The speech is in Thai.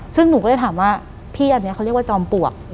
ซึ่งหนูก็เลยถามว่าพี่อันนี้เขาเรียกว่าจอมปลวก